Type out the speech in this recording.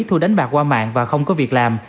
thu đánh bạc qua mạng và không có việc làm